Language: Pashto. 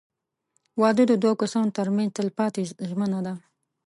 • واده د دوه کسانو تر منځ تلپاتې ژمنه ده.